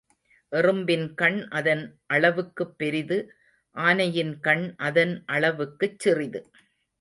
எறும்பின் கண் அதன் அளவுக்குப் பெரிது ஆனையின் கண் அதன் அளவுக்குச் சிறிது.